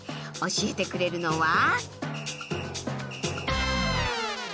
教えてくれるのは。